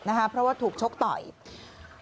เพราะว่าถูกโชครั้งไหว